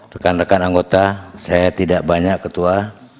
rekan rekan anggota saya tidak banyak ketua